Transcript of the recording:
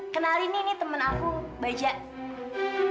kenalin ini temen aku bajah